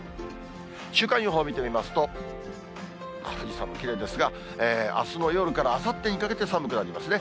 週間予報を見てみますと、富士山もきれいですが、あすの夜からあさってにかけて、寒くなりますね。